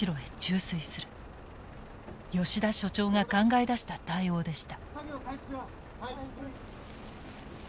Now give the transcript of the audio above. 吉田所長が考え出した対応でした。